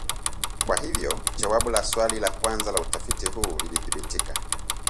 Kwa hivyo jawabu la swali la kwanza la utafiti huu lilithibitika